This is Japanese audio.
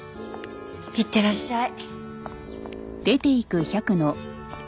いってらっしゃい。